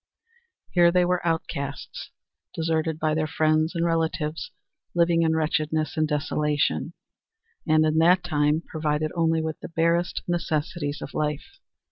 Here they were outcasts, deserted by their friends and relatives, living in wretchedness and desolation and, in that time, provided only with the barest necessities of life.